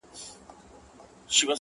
هوسۍ مخكي په ځغستا سوه ډېره تونده٫